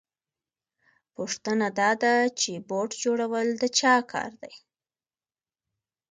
پوښتنه دا ده چې بوټ جوړول د چا کار دی